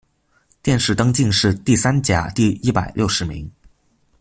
殿试登进士第三甲第一百六十名。